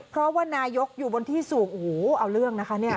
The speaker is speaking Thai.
เพราะว่านายกอยู่บนที่สูงโหลดเครนสูงเอาเรื่องเลย